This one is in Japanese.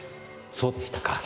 そうでしたか。